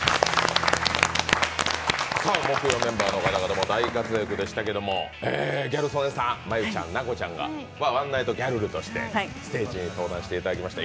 木曜メンバーの方々大活躍でしたけどギャル曽根さん、真悠ちゃん、奈子ちゃんがワンナイトギャルルとしてステージに登壇していただきました。